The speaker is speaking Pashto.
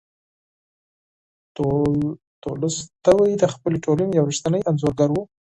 تولستوی د خپلې ټولنې یو ریښتینی انځورګر و.